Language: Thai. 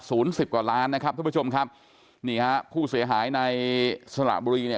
สิบกว่าล้านนะครับทุกผู้ชมครับนี่ฮะผู้เสียหายในสระบุรีเนี่ย